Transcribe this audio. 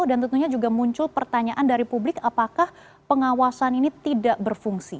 dan tentunya juga muncul pertanyaan dari publik apakah pengawasan ini tidak berfungsi